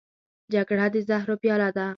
جګړه د زهرو پیاله ده